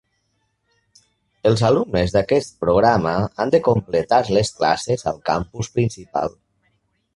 Els alumnes d'aquest programa han de completar les classes al campus principal.